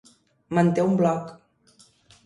Manté un blog.